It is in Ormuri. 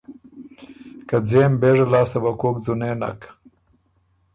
که ځېم بېژه لاسته وه کوک ځُنېن نَک۔